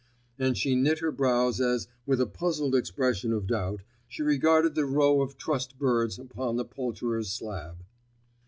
And she knit her brows as, with a puzzled expression of doubt, she regarded the row of trussed birds upon the poulterer's slab.